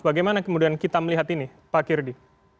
bagaimana kemudian kita melihat ini pak kirdi